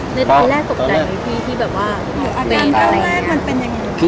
ในตอนแรกตกใจที่ก็มั้ยว่า